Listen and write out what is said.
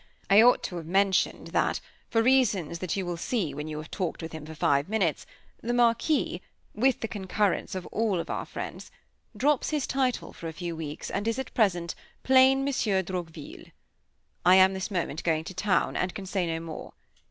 I ought to have mentioned that, for reasons that you will see, when you have talked with him for five minutes, the Marquis with the concurrence of all our friends drops his title, for a few weeks, and is at present plain Monsieur Droqville. I am this moment going to town, and can say no more.